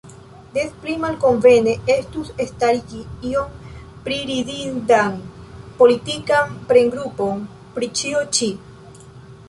Des pli malkonvene estus starigi iun priridindan politikan premgrupon pri ĉio ĉi.